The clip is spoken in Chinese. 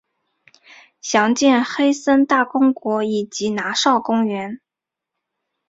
详见黑森大公国以及拿绍公国。